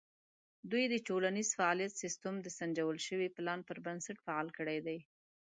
دوی د ټولنیز فعالیت سیستم د سنجول شوي پلان پر بنسټ فعال کړی دی.